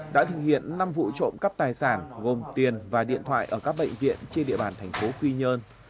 đã thực hiện năm vụ trộm cắp tài sản gồm tiền và điện thoại ở các bệnh viện trên địa bàn thành phố quy nhơn